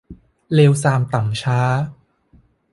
เลวทรามต่ำช้า